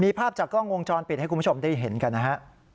ภาพจากกล้องวงจรปิดให้คุณผู้ชมได้เห็นกันนะฮะ